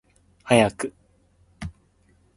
早く